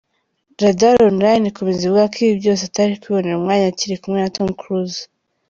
Radaronline ikomeza ivuga ko ibi byose Atari kubibonera umwanya akiri kumwe na Tom Cruise.